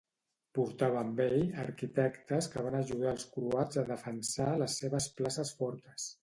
Portava amb ell arquitectes que van ajudar els croats a defensar les seves places fortes.